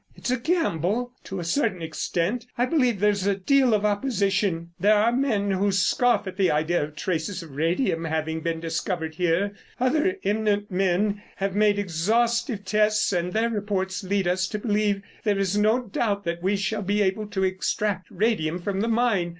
It's a gamble, to a certain extent. I believe there's a deal of opposition; there are men who scoff at the idea of traces of radium having been discovered here. Other eminent men have made exhaustive tests, and their report leads us to believe there is no doubt that we shall be able to extract radium from the mine.